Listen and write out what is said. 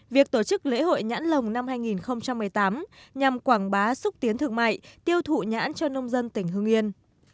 việc tổ chức lễ hội nhãn lồng năm hai nghìn một mươi tám nhằm quảng bá xúc tiến thương mại tiêu thụ nhãn cho nông dân tỉnh hưng yên